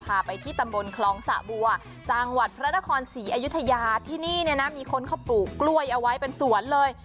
พาไปที่ตำบลคลองสะบัวจังหวัดพระนครศรีอยุธยาที่นี่เนี่ยนะมีคนเขาปลูกกล้วยเอาไว้เป็นสวนเลย